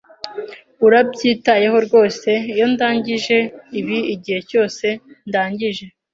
Urabyitayeho rwose iyo ndangije ibi igihe cyose ndangije?